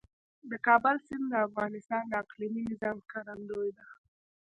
د کابل سیند د افغانستان د اقلیمي نظام ښکارندوی ده.